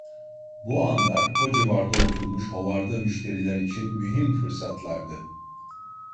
Bu anlar o civarda oturmuş hovarda müşteriler için mühim fırsatlardı.